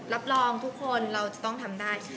รับรองทุกคนเราจะต้องทำได้